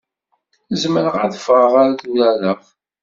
Zemreɣ ad ffɣeɣ ad urareɣ?